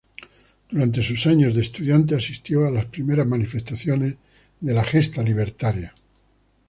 Durante sus años de estudiante asistió a las primeras manifestaciones de la gesta libertaria.